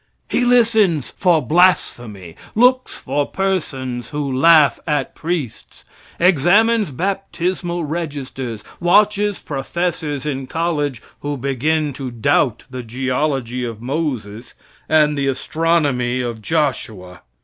He listens for blasphemy; looks for persons who laugh at priests; examines baptismal registers; watches professors in college who begin to doubt the geology of Moses and the astronomy of Joshua.